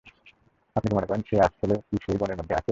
আপনি কি মনে করেন সে আসলে কি সেই বনের মধ্যে আছে?